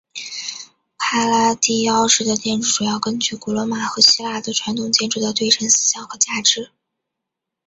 帕拉第奥式的建筑主要根据古罗马和希腊的传统建筑的对称思想和价值。